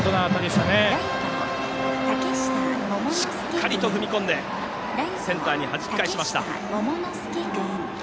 しっかりと踏み込んでセンターにはじき返しました。